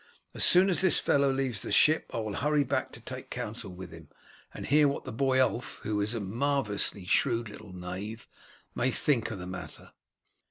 As soon as this fellow leaves the ship I will hurry back to take counsel with him, and hear what the boy Ulf, who is a marvellously shrewd little knave, may think of the matter."